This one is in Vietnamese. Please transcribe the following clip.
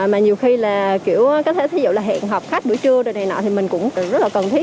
mà nhiều khi là kiểu có thể thí dụ là hẹn học khách buổi trưa rồi này nọ thì mình cũng rất là cần thiết